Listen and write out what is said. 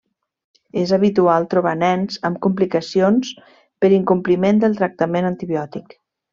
És habitual trobar nens amb complicacions per incompliment del tractament antibiòtic.